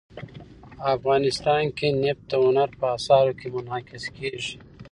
افغانستان کې نفت د هنر په اثار کې منعکس کېږي.